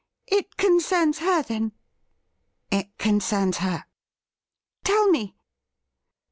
' It concerns her, then ?' It concerns her.' ' Tell me.'